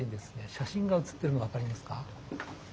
写真がうつってるのが分かりますか？